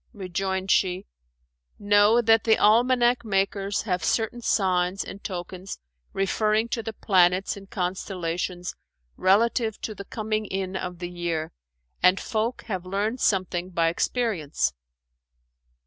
Rejoined she, "Know that the almanack makers have certain signs and tokens, referring to the planets and constellations relative to the coming in of the year; and folk have learned something by experience."